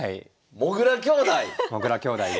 もぐら兄弟で。